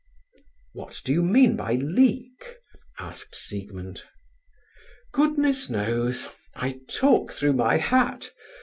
"What do you mean by 'leak'?" asked Siegmund. "Goodness knows—I talk through my hat.